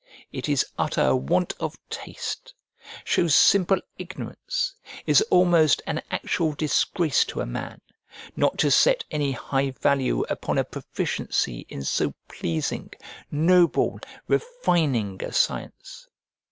It is utter want of taste, shows simple ignorance, is almost an actual disgrace to a man, not to set any high value upon a proficiency in so pleasing, noble, refining a science.